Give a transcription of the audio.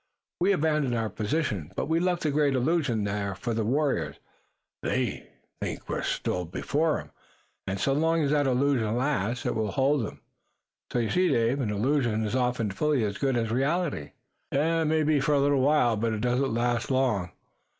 "We abandoned our position, but we left the great illusion there for the warriors. They think we're still before 'em and so long as that illusion lasts it will hold 'em. So you see, Dave, an illusion is often fully as good as reality." "It may be for a little while, but it doesn't last as long.